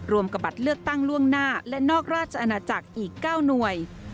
รวมกับบัตรเลือกตั้งล่วงหน้าและนอกราชอาณาจักรอีก๙หน่วย